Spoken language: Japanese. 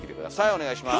お願いします。